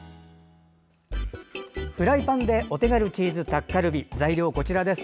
フライパンでお手軽チーズタッカルビ材料はこちらです。